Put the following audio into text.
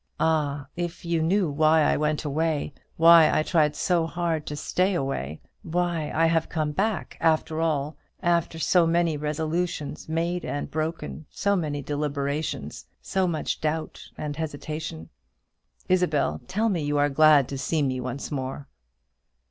"Ah, if you knew why I went away why I tried so hard to stay away why I have come back after all after all so many resolutions made and broken so many deliberations so much doubt and hesitation! Isabel! tell me you are glad to see me once more!"